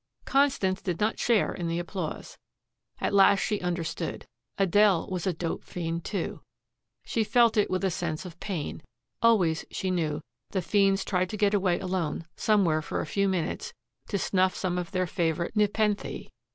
Constance did not share in the applause. At last she understood. Adele was a dope fiend, too. She felt it with a sense of pain. Always, she knew, the fiends tried to get away alone somewhere for a few minutes to snuff some of their favorite nepenthe.